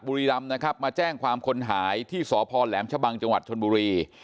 บุรีรำนะครับมาแจ้งความคนหายที่สพแหลมชะบังจังหวัดชนบุรี